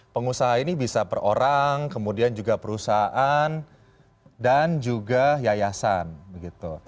pengusaha ini bisa per orang kemudian juga perusahaan dan juga yayasan begitu